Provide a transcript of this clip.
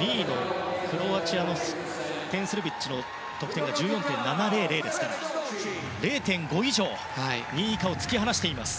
２位の、クロアチアのテン・スルビッチの得点が１４．７００ですから０．５以上２位以下を突き放しています。